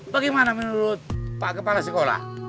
bagaimana menurut pak kepala sekolah